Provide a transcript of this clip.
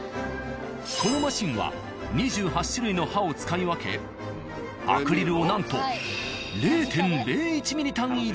このマシンは２８種類の刃を使い分けアクリルをなんと０．０１ｍｍ単位で加工している。